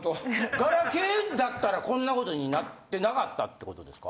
ガラケーだったらこんな事になってなかったって事ですか？